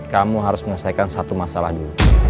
kamu harus menyelesaikan satu masalah dulu